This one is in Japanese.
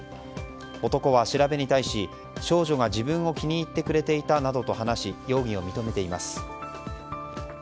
男は調べに対し、少女が自分を気に入ってくれていたなどと話し容疑を認めています。